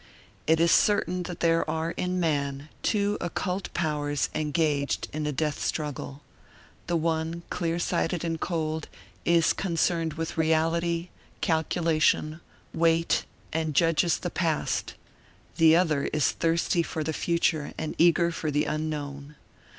It is certain that there are in man two occult powers engaged in a death struggle: the one, clear sighted and cold, is concerned with reality, calculation, weight, and judges the past; the other is thirsty for the future and eager for the unknown.